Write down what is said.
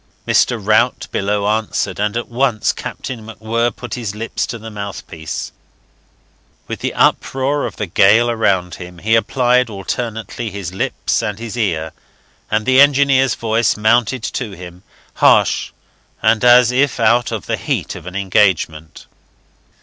Mr. Rout below answered, and at once Captain MacWhirr put his lips to the mouthpiece. With the uproar of the gale around him he applied alternately his lips and his ear, and the engineer's voice mounted to him, harsh and as if out of the heat of an engagement.